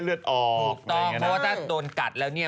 เพราะว่าถ้าโดนกัดแล้วเนี่ย